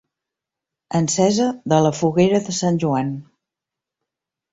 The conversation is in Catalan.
Encesa de la Foguera de Sant Joan.